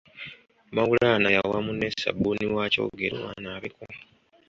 Maulana yawa munne ssabbuuni wa Kyogero anaabeko.